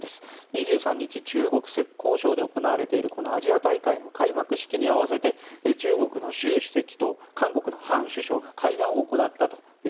２３日中国・浙江省で行われているアジア大会の開幕式に合わせて中国の習主席と韓国のハン首相が会談を行ったと。